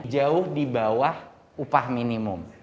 jauh di bawah upah minimum